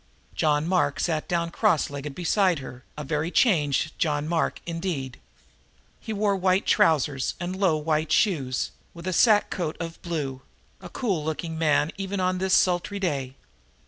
John Mark sat down cross legged beside her, a very changed John Mark, indeed. He wore white trousers and low white shoes, with a sack coat of blue a cool looking man even on this sultry day.